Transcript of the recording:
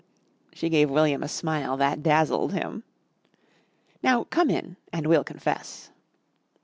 She gave William a smile that dazzled him. "Now come in and we'll confess."